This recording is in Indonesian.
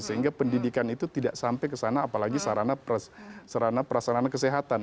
sehingga pendidikan itu tidak sampai ke sana apalagi sarana prasarana kesehatan